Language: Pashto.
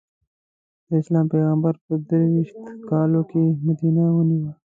د اسلام پېغمبر په درویشت کالو کې مدینه ونیو.